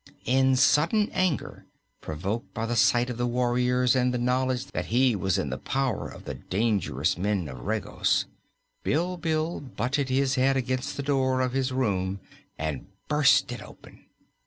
In sudden anger, provoked by the sight of the warriors and the knowledge that he was in the power of the dangerous men of Regos, Bilbil butted his head against the door of his room and burst it open.